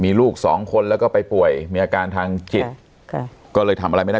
มีลูกสองคนแล้วก็ไปป่วยมีอาการทางจิตค่ะก็เลยทำอะไรไม่ได้